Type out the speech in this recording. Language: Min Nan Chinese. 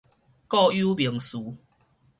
固有名詞